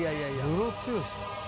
・ムロツヨシさん。